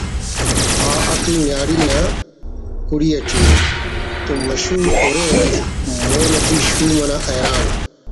آ عقل نیاڑی نا کڑی ٹی ءِ تو مشہور ارین مون اَٹی شوم انا حیران